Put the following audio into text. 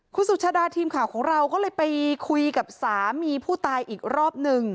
คุณสุชาดาทีมข่าวของเราก็เลยไปคุยกับสามีผู้ตายอีกรอบหนึ่ง